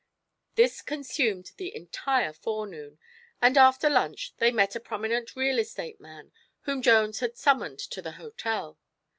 This consumed the entire forenoon, and after lunch they met a prominent real estate man whom Jones had summoned to the hotel.